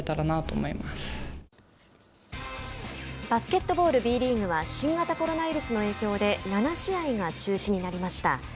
バスケットボールＢリーグは新型コロナウイルスの影響で７試合が中止になりました。